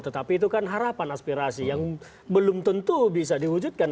tetapi itu kan harapan aspirasi yang belum tentu bisa diwujudkan